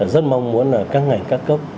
rất mong muốn là các ngành các cấp